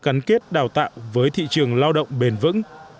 gắn kết đào tạo với thị trường lao động bền vững